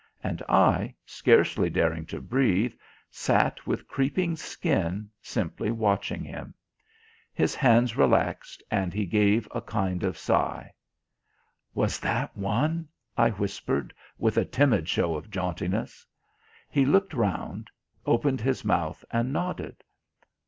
And I, scarcely daring to breathe, sat with creeping skin, simply watching him. His hands relaxed, and he gave a kind of sigh. "Was that one?" I whispered, with a timid show of jauntiness. He looked round, opened his mouth, and nodded.